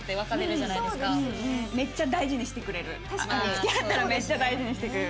付き合ったらめっちゃ大事にしてくれる。